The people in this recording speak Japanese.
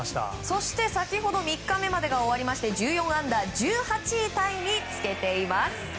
そして先ほど３日目までが終わりまして１４アンダー、１８位タイにつけています。